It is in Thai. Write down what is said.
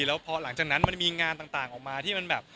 แล้วพอหลังจากนั้นมันมีงานต่างออกมาที่มันแบบ